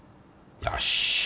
よし。